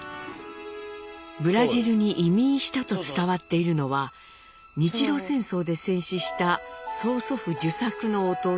ブラジルに移民したと伝わっているのは日露戦争で戦死した曽祖父壽作の弟